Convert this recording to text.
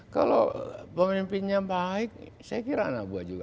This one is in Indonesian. kalau pemimpinnya baik saya kira anak buah juga